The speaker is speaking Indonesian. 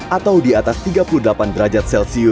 atau di atas tiga lima derajat